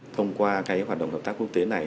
thông qua cái hoạt động hợp tác quốc tế này